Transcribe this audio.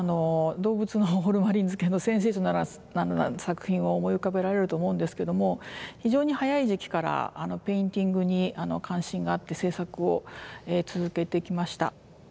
動物のホルマリン漬けのセンセーショナルな作品を思い浮かべられると思うんですけども非常に早い時期からペインティングに関心があって制作を続けてきました。